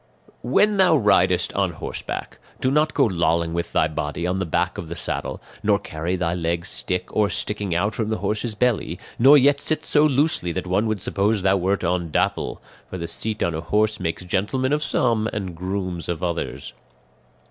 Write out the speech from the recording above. "When thou ridest on horseback, do not go lolling with thy body on the back of the saddle, nor carry thy legs stiff or sticking out from the horse's belly, nor yet sit so loosely that one would suppose thou wert on Dapple; for the seat on a horse makes gentlemen of some and grooms of others.